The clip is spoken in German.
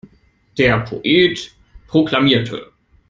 Der Poet proklamierte.